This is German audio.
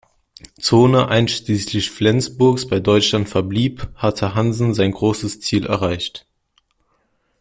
Zone einschließlich Flensburgs bei Deutschland verblieb, hatte Hanssen sein großes Ziel erreicht.